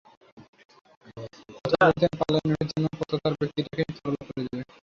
কথা বলতেন পাল্লায় মেপে, যেন কথা তাঁর ব্যক্তিত্বটাকেই তরল করে দেবে।